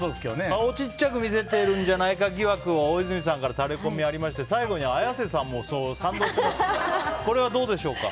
顔小さく見せてるんじゃないか疑惑を大泉さんからタレコミがありまして最後に綾瀬さんも。これはどうでしょうか？